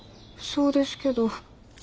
そうですけど。